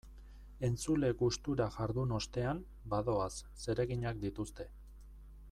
Entzule gustura jardun ostean, badoaz, zereginak dituzte.